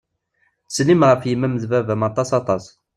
Ttsellim ɣef yemma-m d baba-m aṭas aṭas.